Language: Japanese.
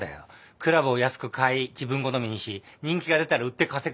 クラブを安く買い自分好みにし人気が出たら売って稼ぐ。